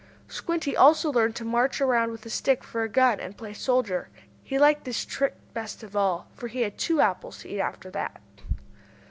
Squinty also learned to march around with a stick for a gun, and play soldier. He liked this trick best of all, for he always had two apples to eat after that.